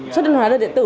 xuất hóa đơn điện tử